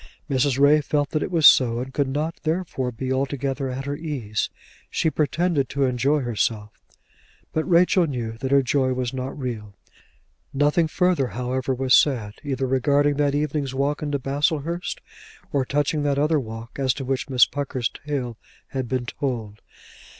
Mrs. Ray felt that it was so, and could not therefore be altogether at her ease. She pretended to enjoy herself; but Rachel knew that her joy was not real. Nothing further, however, was said, either regarding that evening's walk into Baslehurst, or touching that other walk as to which Miss Pucker's tale had been told.